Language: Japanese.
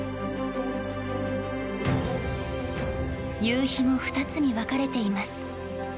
夕日も２つに分かれています。